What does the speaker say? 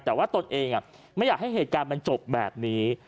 แต่ว่าตนเองไม่อยากให้เหตุการณ์มันจบแบบนี้